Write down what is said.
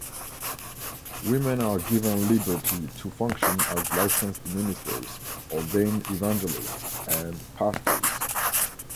Women are given liberty to function as Licensed Ministers, Ordained Evangelist, and Pastors.